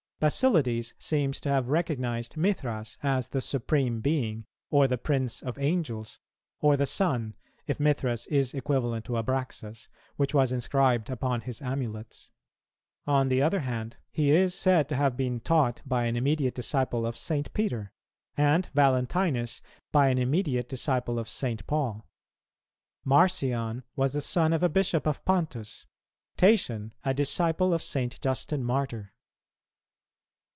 Basilides seems to have recognized Mithras as the Supreme Being, or the Prince of Angels, or the Sun, if Mithras is equivalent to Abraxas, which was inscribed upon his amulets: on the other hand, he is said to have been taught by an immediate disciple of St. Peter, and Valentinus by an immediate disciple of St. Paul. Marcion was the son of a Bishop of Pontus; Tatian, a disciple of St. Justin Martyr.